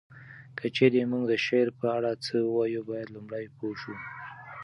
که چیري مونږ د شعر په اړه څه ووایو باید لومړی پوه شو